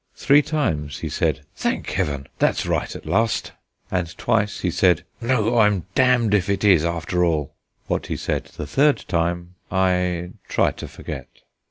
Three times he said: "Thank Heaven, that's right at last!" And twice he said: "No, I'm damned if it is after all!" What he said the third time I try to forget.